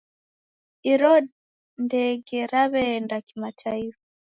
Iro ndege raweenda kimataifa.